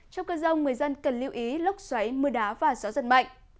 trong cơn rông người dân cần lưu ý lốc xoáy mưa đá và gió giật mạnh